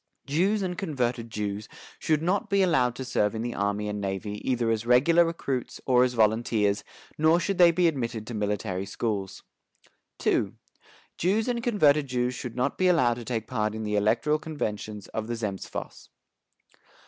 Jews and converted Jews should not be allowed to serve in the army and navy either as regular recruits or as volunteers, nor should they be admitted to military schools. "II. Jews and converted Jews should not be allowed to take part in the electoral conventions of the Zemstvos.